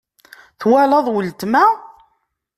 Twalaḍ weltma?